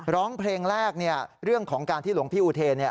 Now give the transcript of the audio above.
ร้องเพลงแรกเรื่องของการที่หลวงพี่อุเทรน